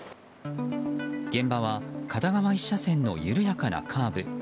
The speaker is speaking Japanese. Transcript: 現場は片側１車線の緩やかなカーブ。